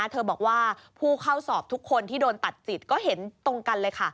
เธอบอกว่าผู้เข้าสอบทุกคนที่โดนตัดจิตก็เห็นตรงกันเลยค่ะ